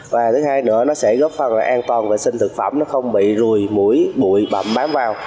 và thứ hai nữa nó sẽ góp phần an toàn vệ sinh thực phẩm nó không bị rùi mũi bụi bám vào